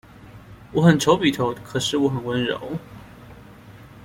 我很醜比頭，可是我很溫柔